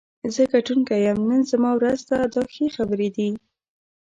زه ګټونکی یم، نن زما ورځ ده دا ښه خبرې دي.